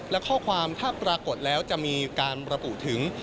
และข้อความถ้าปรากฏแล้วจะมีการระบุถึง